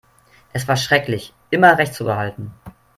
Es war schrecklich, immer Recht zu behalten.